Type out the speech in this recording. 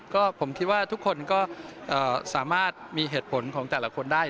ก็ผมคิดว่าทุกคนก็สามารถมีเหตุผลของแต่ละคนได้